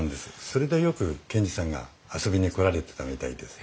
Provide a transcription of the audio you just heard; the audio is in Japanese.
それでよく賢治さんが遊びに来られてたみたいです。